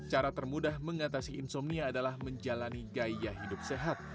cara termudah mengatasi insomnia adalah menjalani gaya hidup sehat